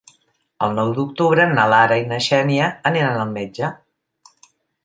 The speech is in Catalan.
El nou d'octubre na Lara i na Xènia aniran al metge.